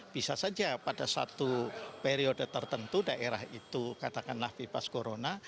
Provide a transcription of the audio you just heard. bisa saja pada satu periode tertentu daerah itu katakanlah bebas corona